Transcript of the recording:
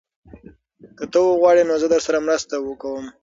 که ته وغواړې نو زه درسره مرسته کوم.